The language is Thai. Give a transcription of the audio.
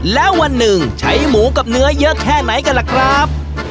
แล้ววันหนึ่งใช้หมูกับเนื้อเยอะแค่ไหนกันล่ะครับ